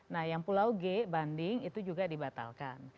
nah yang pulau g banding itu juga dibatalkan